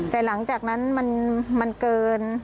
แต่หลังจากนั้นมันเกิน